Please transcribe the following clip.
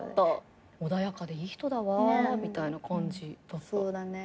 穏やかでいい人だわみたいな感じだった。